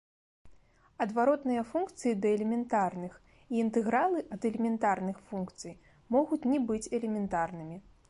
Адваротныя функцыі да элементарных і інтэгралы ад элементарных функцый могуць не быць элементарнымі.